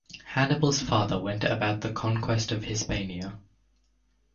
Hannibal's father went about the conquest of Hispania.